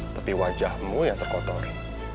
tapi wajahmu yang terkotori